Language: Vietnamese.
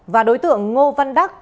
và đối tượng ngô văn đắc